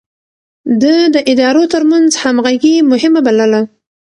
ده د ادارو ترمنځ همغږي مهمه بلله.